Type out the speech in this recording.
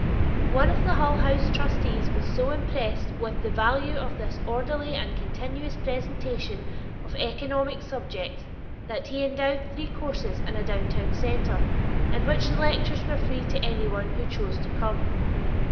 One of the Hull House trustees was so impressed with the value of this orderly and continuous presentation of economic subjects that he endowed three courses in a downtown center, in which the lectures were free to anyone who chose to come.